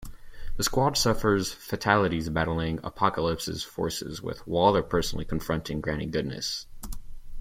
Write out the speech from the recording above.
The Squad suffers fatalities battling Apokolips' forces, with Waller personally confronting Granny Goodness.